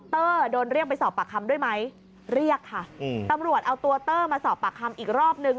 เตอร์โดนเรียกไปสอบปากคำด้วยไหมเรียกค่ะอืมตำรวจเอาตัวเตอร์มาสอบปากคำอีกรอบนึง